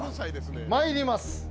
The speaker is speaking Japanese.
まいります。